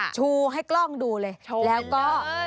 ชูให้กล้องดูเลยแล้วก็